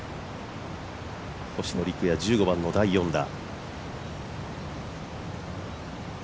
星野陸也、１５番の第４打。